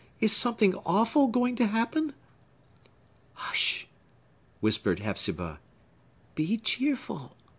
Is something awful going to happen?" "Hush!" whispered Hepzibah. "Be cheerful!